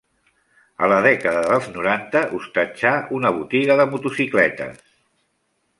A la dècada dels noranta hostatjà una botiga de motocicletes.